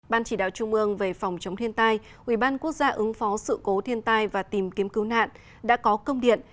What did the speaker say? ban chỉ đạo trung ương về phòng chống thiên tai ubnd ứng phó sự cố thiên tai và tìm kiếm cứu nạn đã có công điện